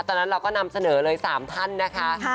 ตอนนั้นเราก็นำเสนอเลย๓ท่านนะคะ